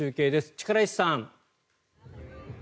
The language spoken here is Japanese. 力石さん。